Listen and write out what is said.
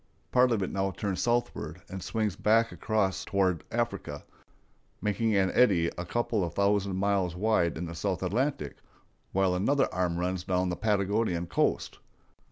Part of it now turns southward and swings back across toward Africa, making an eddy a couple of thousand miles wide in the South Atlantic, while another arm runs down the Patagonian coast.